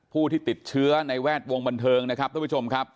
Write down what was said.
ผู้ที่ติดเชื้อในแวดวงบันเทิงนะครับท่านผู้ชมครับ